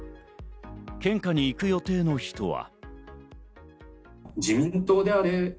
献花に行く予定の人は。